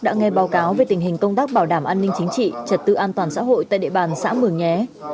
đã nghe báo cáo về tình hình công tác bảo đảm an ninh chính trị trật tự an toàn xã hội tại địa bàn xã mường nhé